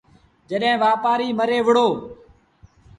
جڏهيݩ وآپآريٚ مري وهُڙو